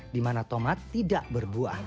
di mana tomat tidak berbuah